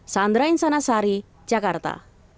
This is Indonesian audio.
sandra insanasari jakarta